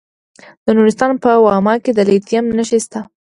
د نورستان په واما کې د لیتیم نښې شته.